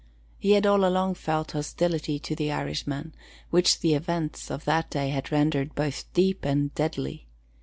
He had all along felt hostility to the Irishman, which the events of that day had rendered both deep and deadly.